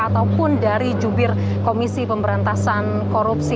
ataupun dari jubir komisi pemberantasan korupsi